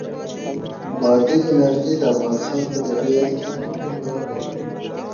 بادي انرژي د افغانستان په طبیعت کې مهم رول لري.